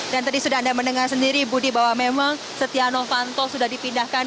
dan tadi sudah anda mendengar sendiri budi bahwa memang setia novanto sudah dipindahkan